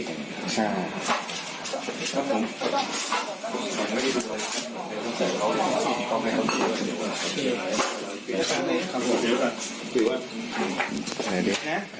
ครับผมไม่ได้ต้องใส่ร้องต้องใส่ร้องไม่ต้องใส่ร้อง